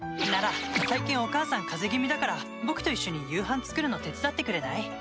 なら最近お母さん風邪ぎみだから僕と一緒に夕飯作るの手伝ってくれない？